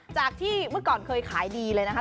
จากที่เมื่อก่อนเคยขายดีเลยนะคะ